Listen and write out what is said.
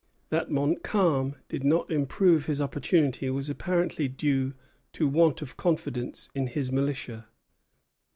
That Montcalm did not improve his opportunity was apparently due to want of confidence in his militia.